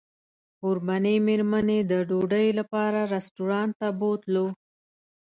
کوربنې مېرمنې د ډوډۍ لپاره رسټورانټ ته بوتلو.